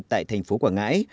tại thành phố quảng ngãi